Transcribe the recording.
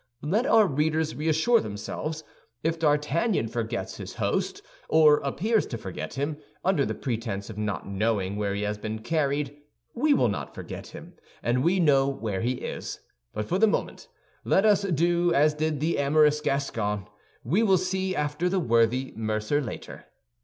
Let our readers reassure themselves. If D'Artagnan forgets his host, or appears to forget him, under the pretense of not knowing where he has been carried, we will not forget him, and we know where he is. But for the moment, let us do as did the amorous Gascon; we will see after the worthy mercer later.